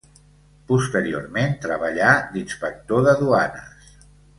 Posteriorment treballà d'inspector de duanes.